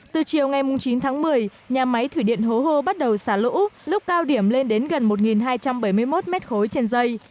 từ chiều ngày chín tháng một mươi nhà máy thủy điện hố hô bắt đầu xả lũ lúc cao điểm lên đến gần một hai trăm bảy mươi một m ba trên dây